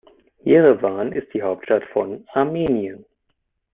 Jerewan ist die Hauptstadt von Armenien.